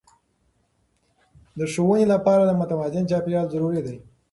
د ښوونې لپاره د متوازن چاپیریال ضروري دی.